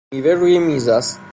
میوه روی میز است